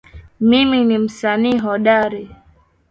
Mimi ni msanii hodari